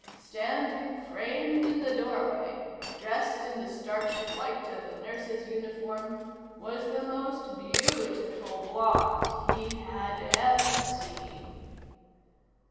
Standing framed in the doorway, dressed in the starched white of a nurse's uniform, was the most beautiful blonde he had ever seen.